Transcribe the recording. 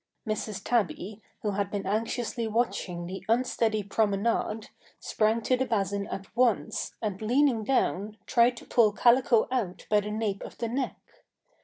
Mrs. Tabby, who had been anxiously watching the unsteady promenade sprang to the basin at once and leaning down tried to pull Calico out by the nape of the neck.